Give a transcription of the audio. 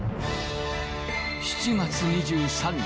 ７月２３日